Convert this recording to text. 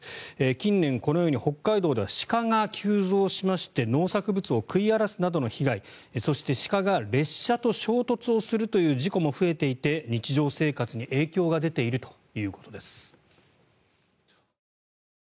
近年、このように北海道では鹿が急増しまして農作物を食い荒らすなどの被害そして、鹿が列車と衝突をするという事故も増えていて日常生活に影響が出ているということです。